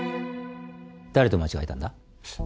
誰と間違えたんだ？